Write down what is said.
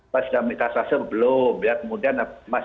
pas sudah metastase belum kemudian